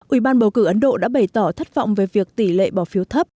ủy ban bầu cử ấn độ đã bày tỏ thất vọng về việc tỷ lệ bỏ phiếu thấp